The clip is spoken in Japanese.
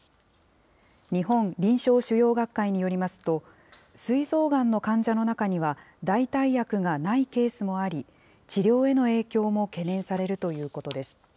日本臨床腫瘍学会によりますと、すい臓がんの患者の中には、代替薬がないケースもあり、治療への影響も懸念されるということです。